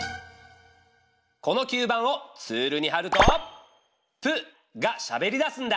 この吸盤をツールにはると「プ」がしゃべりだすんだ。